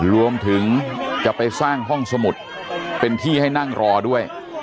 รวมถึงจะไปสร้างห้องสมุดเป็นที่ให้นั่งรอด้วย